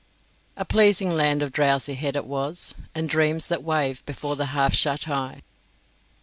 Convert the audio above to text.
"A pleasing land of drowsihed it was, And dreams that wave before the half shut eye."